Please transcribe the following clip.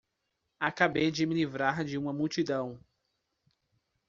Acabei de me livrar de uma multidão.